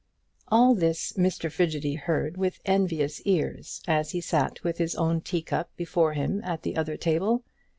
All this Mr Frigidy heard with envious ears as he sat with his own tea cup before him at the other table.